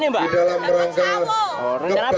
di dalam rangka kebanggaan